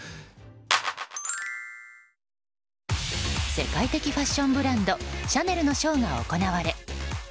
世界的ファッションブランドシャネルのショーが行われ